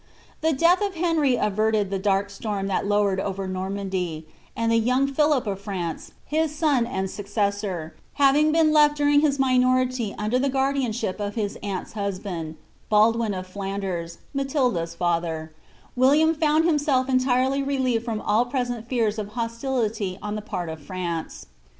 The death of Henry averted the dark storm that lowered over Normandy ; and the young Philip of France, his son and successor, having been left during his minority under the guardianship of his aunt's husband, Baldwin of Flanders, Matilda's fother, William found himself entirely relieved from all present fears of hostility on the part of France.